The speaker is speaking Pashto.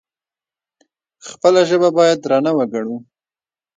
خپله ژبه باید درنه وګڼو.